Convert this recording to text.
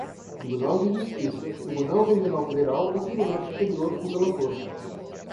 tribunal de justiça, tribunal regional federal ou tribunal superior, o relator: